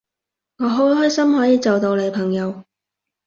我好開心可以做到你朋友